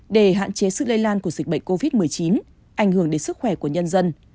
để hạn chế sự lây lan của dịch bệnh covid một mươi chín ảnh hưởng đến sức khỏe của nhân dân